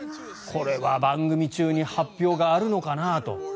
これは番組中に発表があるのかなあと。